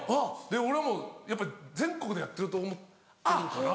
で俺もうやっぱり全国でやってると思ってるから。